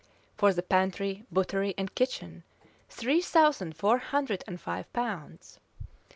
For the pantry, buttery, and kitchen, three thousand four hundred and five pounds.